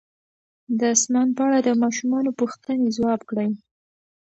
د اسمان په اړه د ماشومانو پوښتنې ځواب کړئ.